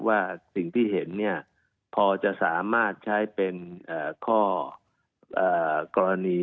ว่าสิ่งที่เห็นเนี่ยพอจะสามารถใช้เป็นข้อกรณี